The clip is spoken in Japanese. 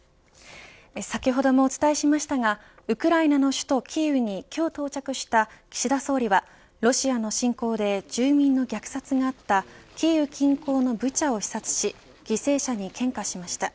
先ほどもお伝えしましたがウクライナの首都キーウに今日到着した岸田総理はロシアの侵攻で住民の虐殺があったキーウ近郊のブチャを視察し犠牲者に献花しました。